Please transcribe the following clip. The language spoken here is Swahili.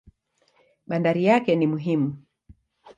Bandari yake ni muhimu.